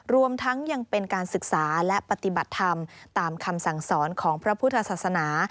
รวมทั้งยังเป็นการศึกษาและปฏิบัติธรรมตามคำสั่งสอนของพระพุทธศาสนา